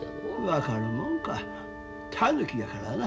分かるもんか狸やからな。